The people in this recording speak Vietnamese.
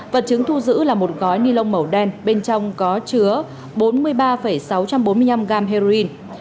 vật chứng thu giữ là một gói nilon màu đen bên trong có chứa bốn mươi ba sáu trăm bốn mươi năm gam heroin